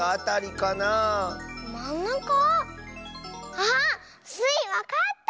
あっスイわかった！